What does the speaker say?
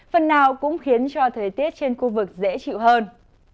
phần nào cũng khiến cho thời tiết trên khu vực dễ chịu hơn